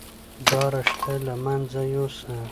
دا رشته له منځه يوسه.